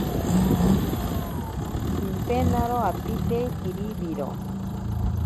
Pimpenaro apite kiribiro.